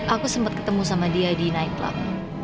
aku sempet ketemu sama dia di nightclub